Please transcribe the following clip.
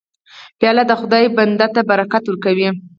پیاله د خدای بنده ته برکت ورکوي.